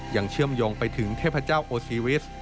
เชื่อมโยงไปถึงเทพเจ้าโอซีวิส